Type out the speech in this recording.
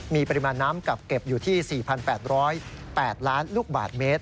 มีปริมาณน้ำกักเก็บอยู่ที่๔๘๐๘ล้านลูกบาทเมตร